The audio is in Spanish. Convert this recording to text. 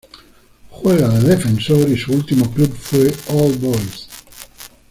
Juega de defensor y su último club fue All Boys.